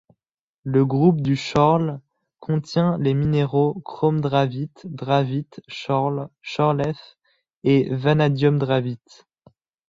Le groupe du schorl contient les minéraux chromdravite, dravite, schorl, schorl-F et vanadiumdravite.